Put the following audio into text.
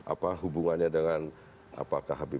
apa hubungannya dengan apakah hpp itu